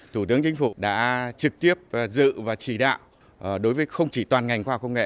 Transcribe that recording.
thủ tướng chính phủ đã trực tiếp dự và chỉ đạo đối với không chỉ toàn ngành khoa học công nghệ